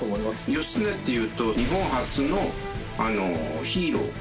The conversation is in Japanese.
義経っていうと日本初のヒーロー。